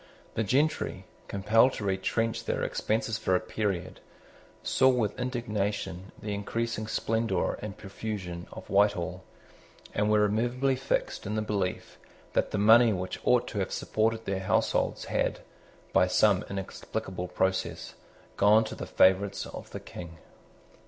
The gentry, compelled to retrench their expenses for a period, saw with indignation the increasing splendour and profusion of Whitehall, and were immovably fixed in the belief that the money which ought to have supported their households had, by some inexplicable process, gone to the favourites of the King.